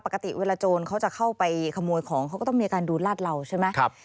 ปกติเวลาโจรเขาจะเข้าไปขโมยของเขาก็ต้องมีอาการดูลาดเหล่าใช่ไหม